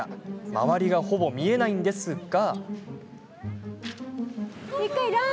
周りがほぼ見えないんですが。